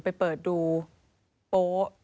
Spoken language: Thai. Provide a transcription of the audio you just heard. ไปเปิดดูโป๊ะ